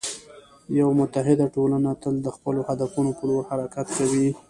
یوه متعهد ټولنه تل د خپلو هدفونو په لور حرکت کوي.